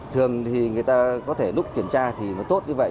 thường thì người ta có thể lúc kiểm tra thì nó tốt như vậy